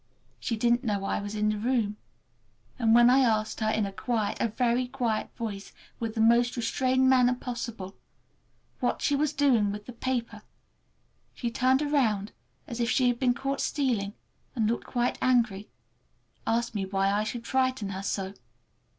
She didn't know I was in the room, and when I asked her in a quiet, a very quiet voice, with the most restrained manner possible, what she was doing with the paper she turned around as if she had been caught stealing, and looked quite angry—asked me why I should frighten her so!